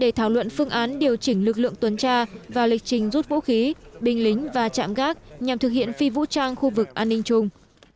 hàn quốc đã thảo luận phương án điều trị và phát triển lực lượng tuần tra vào lịch trình rút vũ khí binh lính và chạm gác nhằm thực hiện phi vũ trang khu vực an ninh chung